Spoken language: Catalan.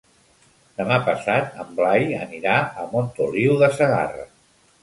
Demà passat en Blai anirà a Montoliu de Segarra.